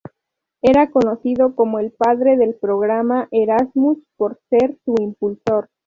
Era conocido como el padre del Programa Erasmus, por ser su impulsor.